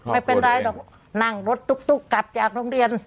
ไม่เป็นไรหรอกนั่งรถตุ๊กกลับจากโรงเรียน